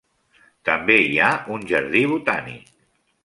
També hi ha un jardí botànic.